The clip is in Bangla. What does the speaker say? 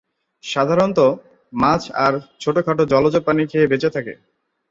সাধারণত মাছ আর ছোটখাটো জলজ প্রাণী খেয়ে বেঁচে থাকে।